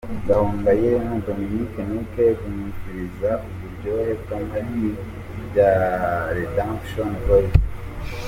Gahongayire na Dominic Nic bumviriza uburyohe bw'amajwi ya Redemption Voice.